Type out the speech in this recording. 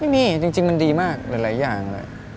ไม่มีจริงมันดีมากหลายอย่างเลย